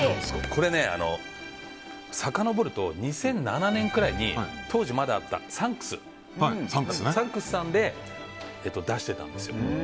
これ、さかのぼると２００７年くらいに当時、まだあったサンクスさんで出していたんですよ。